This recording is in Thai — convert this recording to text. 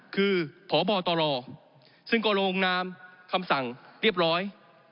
คือพบตรซึ่งก็ลงนามคำสั่งเรียบร้อย